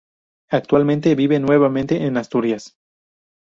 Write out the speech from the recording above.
Actualmente vive nuevamente en Asturias.